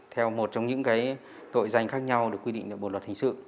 theo một trong những cái tội danh khác nhau được quy định bộ luật hình sự